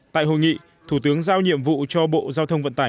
tại hội nghị thủ tướng giao nhiệm vụ cho bộ giao thông vận tải